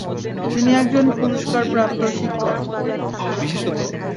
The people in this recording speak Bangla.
তিনি একজন পুরস্কারপ্রাপ্ত শিক্ষক।